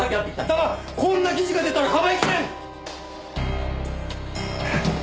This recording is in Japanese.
だがこんな記事が出たらかばいきれん！